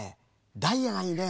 ダイヤがいいね。